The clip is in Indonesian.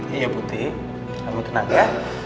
iya putih kamu tenang ya